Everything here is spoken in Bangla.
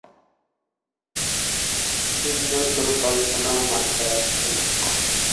সুন্দর কোনো কল্পনাও মাথায় আসছে না।